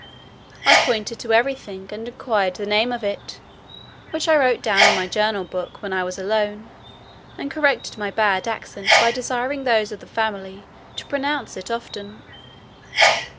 I pointed to every thing, and inquired the name of it, which I wrote down in my journal book when I was alone, and corrected my bad accent by desiring those of the family to pronounce it often.